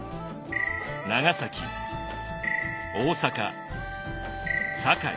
長崎大坂堺